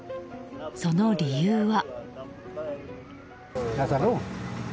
その理由は。